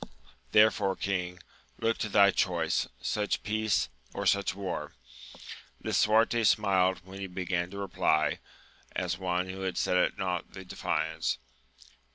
Therefore, king, look to thy choice ! such peace, or such war ! Lisuarte smiled when he began to reply, as one who set at nought the defiance.